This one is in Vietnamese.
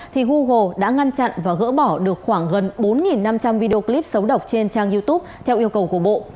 thì google đã ngăn chặn và gỡ bỏ được khoảng gần bốn năm trăm linh video clip xấu độc trên trang youtube theo yêu cầu của bộ